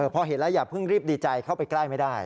พอเห็นแล้วอย่าเพิ่งรีบดีใจเข้าไปใกล้ไม่ได้